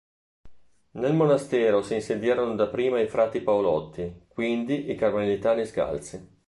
Nel monastero si insediarono dapprima i frati paolotti, quindi i carmelitani scalzi.